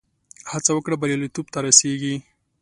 هڅه وکړه، بریالیتوب ته رسېږې.